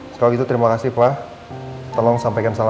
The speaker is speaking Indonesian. sebentar lagi papa pulang kok ya